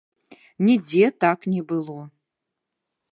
Нідзе так не было.